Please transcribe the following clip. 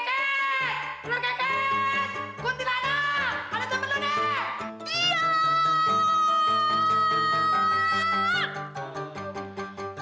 ada tempat lo nek